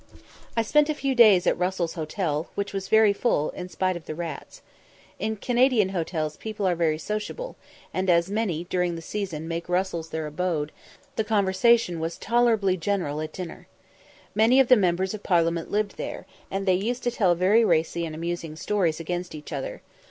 I spent a few days at Russell's Hotel, which was very full, in spite of the rats. In Canadian hotels people are very sociable, and, as many during the season make Russell's their abode, the conversation was tolerably general at dinner. Many of the members of parliament lived there, and they used to tell very racy and amusing stories against each other.